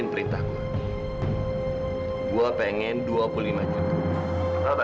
sebentar ya bapak ambil